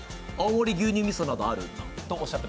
牛乳みそなどある。